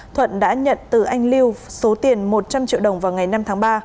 thuận đã nhận từ anh lưu số tiền một trăm linh triệu đồng vào ngày năm tháng ba